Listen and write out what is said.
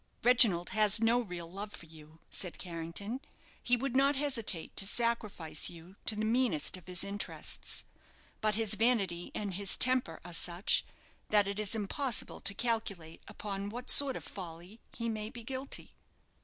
"Reginald has no real love for you," said Carrington; "he would not hesitate to sacrifice you to the meanest of his interests, but his vanity and his temper are such that it is impossible to calculate upon what sort of folly he may be guilty."